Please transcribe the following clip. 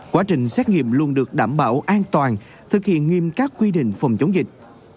quá trình xét nghiệm luôn được đảm bảo an toàn thực hiện nghiêm các quy định phòng chống dịch